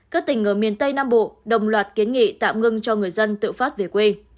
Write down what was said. các tỉnh ở miền tây nam bộ đồng loạt kiến nghị tạm ngưng cho người dân tự phát về quê